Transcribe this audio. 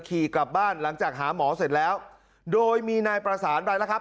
ขี่กลับบ้านหลังจากหาหมอเสร็จแล้วโดยมีนายประสานไปแล้วครับ